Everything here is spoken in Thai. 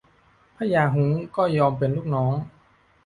พญาฮุ้งก็ยอมเป็นลูกน้อง